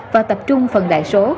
và tập trung phần đại số